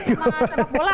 tangkis sama serap bola